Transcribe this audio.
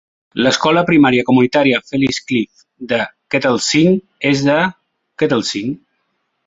L'Escola Primària Comunitària Felliscliffe de Kettlesing és a Kettlesing.